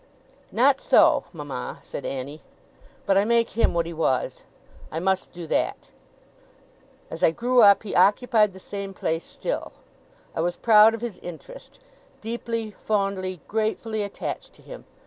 'Not so mama,' said Annie; 'but I make him what he was. I must do that. As I grew up, he occupied the same place still. I was proud of his interest: deeply, fondly, gratefully attached to him.